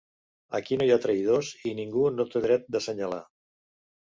Aquí no hi ha traïdors i ningú no té dret d’assenyalar.